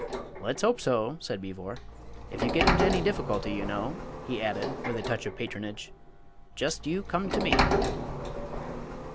"Let's hope so," said Beevor. "If you get into any difficulty, you know," he added, with a touch of patronage, "just you come to me."